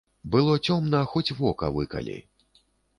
Было цёмна, хоць вока выкалі.